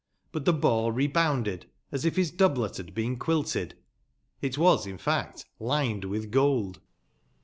But tbe ball rebounded, as if bis doublet bad been quilted. It was, in tact, lined witb gold.